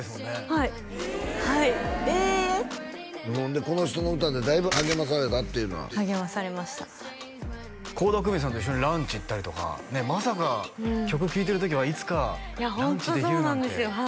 はいはいええほんでこの人の歌でだいぶ励まされたって励まされました倖田來未さんと一緒にランチ行ったりとかまさか曲聴いてる時はいつかランチできるなんてホントそうなんですよ